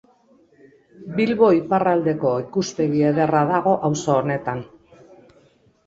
Bilbo iparraldeko ikuspegi ederra dago auzo honetan.